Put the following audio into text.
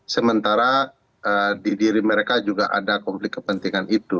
sementara di diri mereka juga ada konflik kepentingan itu